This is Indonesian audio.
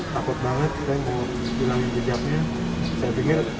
saya takut banget saya mau hilangin jejaknya